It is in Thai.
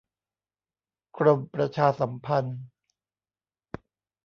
กรมประชาสัมพันธ์